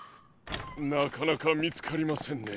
なかなかみつかりませんね。